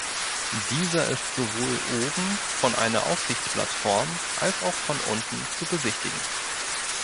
Dieser ist sowohl oben von einer Aussichtsplattform als auch von unten zu besichtigen.